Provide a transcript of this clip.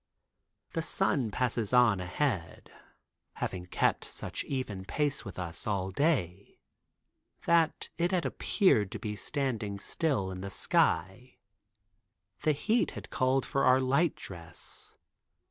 The sun passes on ahead having kept such even pace with us all day that it had appeared to be standing still in the sky. The heat had called for our light dress.